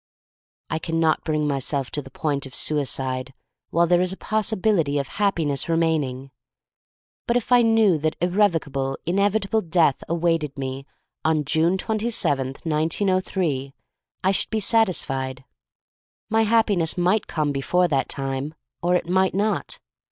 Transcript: I can not bring myself to the point of suicide while there is a possibility of Happiness remaining. But if I knew that irrevocable, inevitable death awaited me on June twenty seventh, 1903, I should be satisfied. My Happi ness might come before that time, or it might not.